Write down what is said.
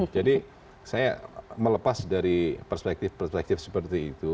jadi saya melepas dari perspektif perspektif seperti itu